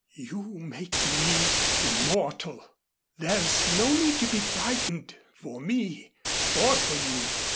"You make me immortal. There's no need to be frightened for me or for you.